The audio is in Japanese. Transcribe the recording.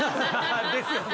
ですよね。